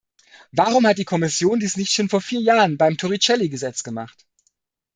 Warum hat die Kommission dies nicht schon vor vier Jahren beim Toricelli-Gesetz gemacht?